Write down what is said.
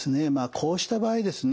こうした場合ですね